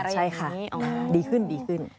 ใช่ค่ะดีขึ้น